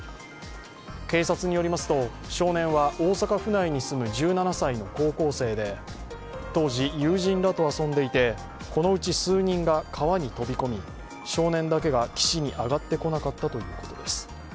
警察によりますと、少年は大阪府内に住む１７歳の高校生で当時、友人らと遊んでいてこのうち数人が川に飛び込み少年だけが岸に上がってこなかったということです。